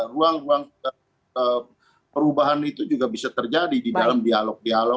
ruang ruang perubahan itu juga bisa terjadi di dalam dialog dialog